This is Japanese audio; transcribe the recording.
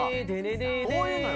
こういうのよ